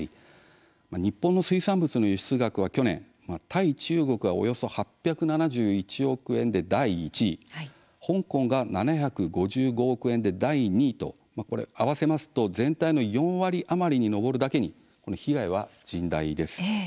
日本の水産物の輸出額は去年、対中国がおよそ８７１億円で第１位香港が７５５億円で第２位と合わせますと全体の４割余りに上るだけに被害は甚大です。